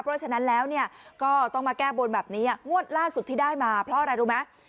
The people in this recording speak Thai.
เพราะฉะนั้นแล้วก็ต้องมาแก้บนแบบนี้งวดล่าสุดที่ได้มาเพราะอะไรรู้ไหม